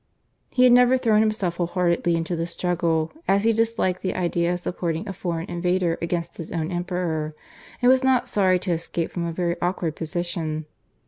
He had never thrown himself whole heartedly into the struggle, as he disliked the idea of supporting a foreign invader against his own Emperor, and was not sorry to escape from a very awkward position.